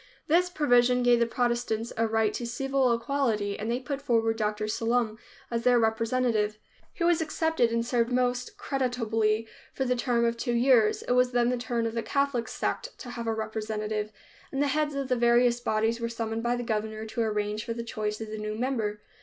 This provision gave the Protestants a right to civil equality and they put forward Dr. Sallum as their representative. He was accepted, and served most creditably for the term of two years. It was then the turn of the Catholic sect to have a representative, and the heads of the various bodies were summoned by the governor to arrange for the choice of the new member.